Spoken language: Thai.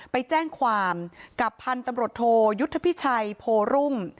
ไปแจ้งความกับพันธุ์ตำรวจโทยุทธพิชัยโพรุ่ง